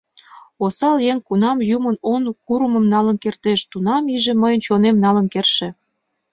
Осал еҥ кунам Юмын он курымым налын кертеш, тунам иже мыйын чонем налын кертше.